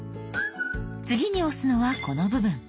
次に押すのはこの部分。